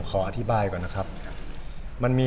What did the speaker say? ก็คือทำไมผมถึงไปยื่นคำร้องต่อสารเนี่ย